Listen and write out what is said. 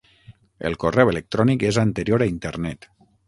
El correu electrònic és anterior a Internet.